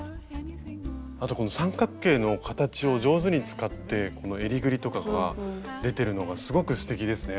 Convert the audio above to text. あとこの三角形の形を上手に使ってこのえりぐりとかが出てるのがすごくすてきですね。